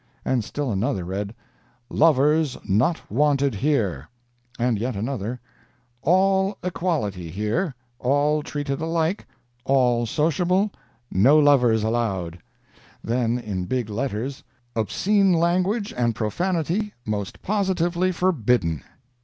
And still another read: "LOVERS NOT WANTED HERE." And yet another: "ALL EQUALITY HERE—ALL TREATED ALIKE—ALL SOCIABLE—NO LOVERS ALLOWED. Then, in big letters: "OBSCENE LANGUAGE AND PROFANITY MOST POSITIVELY FORBIDDEN."